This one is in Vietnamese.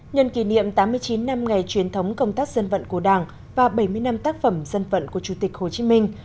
nhân kỷ niệm tám mươi chín năm ngày truyền thống công tác dân vận của đảng và bảy mươi năm tác phẩm dân vận của chủ tịch hồ chí minh